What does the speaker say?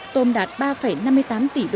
tôm đạt ba năm mươi tám tỷ usd